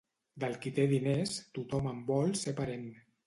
Del qui té diners, tothom en vol ser parent.